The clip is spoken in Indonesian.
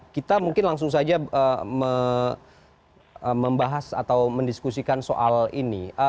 kita mungkin langsung saja membahas atau mendiskusikan soal ini